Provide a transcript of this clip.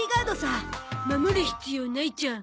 守る必要ないじゃん。